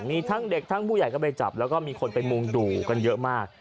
มีทั้งเด็กทั้งผู้ใหญ่ก็ไปจับแล้วก็มีคนไปมุ่งดูกันเยอะมาก